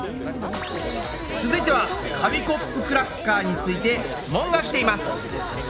続いては紙コップクラッカーについて質問が来ています。